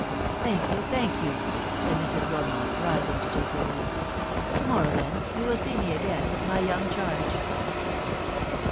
" Thank you, thank you !" said Mrs. Wilmot, rising to take her leave. <f To morrow, then, you will see me again, with my young charge."